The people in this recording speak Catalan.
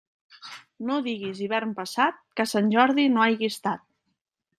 No diguis hivern passat que Sant Jordi no hagi estat.